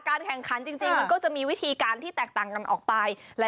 แข่งขันจริงมันก็จะมีวิธีการที่แตกต่างกันออกไป